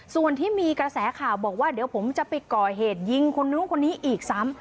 ส่วนที่มีกระแสข่าวบอกว่าเดี๋ยวผมจะไปก่อเหตุยิงคนนู้นคนนี้อีกซ้ำ